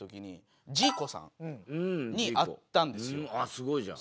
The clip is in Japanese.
すごいじゃん。